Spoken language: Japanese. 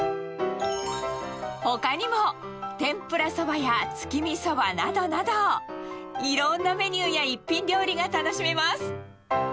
ほかにも天ぷらそばや、月見そばなどなど、いろんなメニューや一品料理が楽しめます。